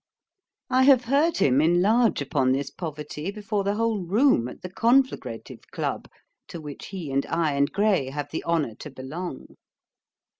I have heard him enlarge upon this poverty before the whole room at the 'Conflagrative Club,' to which he and I and Gray have the honour to belong.